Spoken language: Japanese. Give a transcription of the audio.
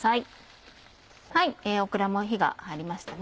オクラも火が入りました。